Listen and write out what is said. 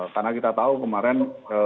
karena kita tahu kemarin